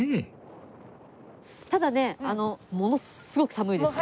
ただねものすごく寒いです。